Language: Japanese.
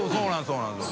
そうなんです。